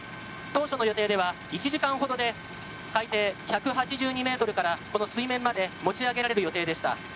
当初の予定では１時間ほどで海底１８２ｍからこの水面まで持ち上げられる予定でした。